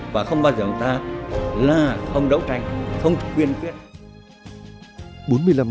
và không bao giờ chúng ta là không đấu tranh không quyền quyết